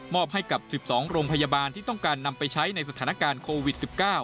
อบให้กับ๑๒โรงพยาบาลที่ต้องการนำไปใช้ในสถานการณ์โควิด๑๙